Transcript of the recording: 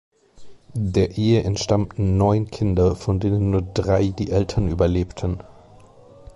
Der Ehe entstammten neun Kinder, von denen nur drei die Eltern überlebten.